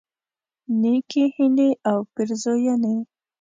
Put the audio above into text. نیکی هیلی او پیرزوینی